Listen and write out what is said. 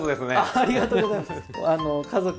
ありがとうございます。